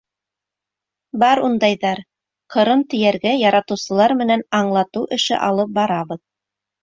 Бар ундайҙар, ҡырын тейәргә яратыусылар менән аңлатыу эше алып барабыҙ.